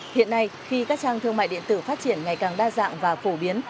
hiện nay khi các trang thương mại điện tử phát triển ngày càng đa dạng và phổ biến